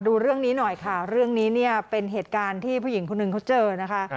ดูเรื่องนี้หน่อยค่ะเรื่องนี้เนี่ยเป็นเหตุการณ์ที่ผู้หญิงคนหนึ่งเขาเจอนะคะ